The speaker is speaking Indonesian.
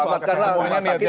selamatkan rakyat yang baik